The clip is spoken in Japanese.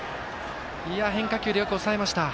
変化球でよく抑えました。